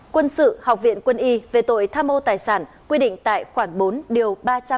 quân sự học viện quân y về tội tham mô tài sản quy định tại khoản bốn điều ba trăm một mươi ba